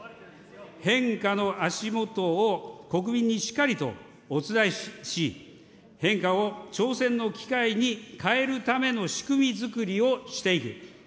変化のあしもとを国民にしっかりとお伝えし、変化を挑戦の機会に変えるための仕組み作りをしていく。